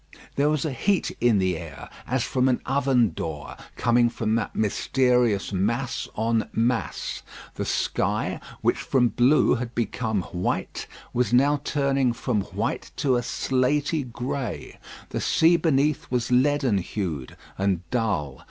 There was a heat in the air as from an oven door, coming from that mysterious mass on mass. The sky, which from blue had become white, was now turning from white to a slatey grey. The sea beneath was leaden hued and dull.